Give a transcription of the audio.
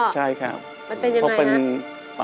ใช่ไหมครับพ่อมันเป็นอย่างไรครับใช่ครับ